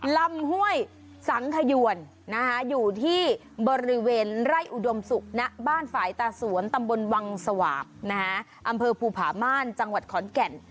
ลำห้วยสังขยวนอยู่ที่บริเวณไร่อุดมศุกร์ณบ้านฝ่ายตาสวนตำบลวังสวาปอำเภอภูผาม่านจังหวัดขอนแก่น